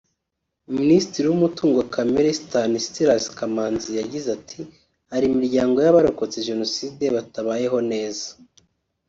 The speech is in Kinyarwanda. Minisitiri w’ umutungo kamere Stanislas Kamanzi yagize ati “Hari imiryango y’Abarokotse Jenoside batabayeho neza